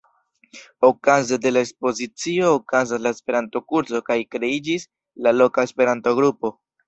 Okaze de la ekspozicio okazas la Esperanto-kurso kaj kreiĝis la loka Esperanto-grupo.